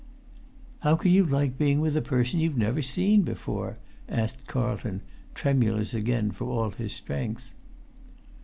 "How can you like being with a person you've never seen before?" asked Carlton, tremulous again, for all his strength.